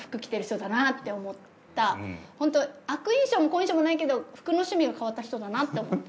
ホント悪印象も好印象もないけど服の趣味が変わった人だなって思った。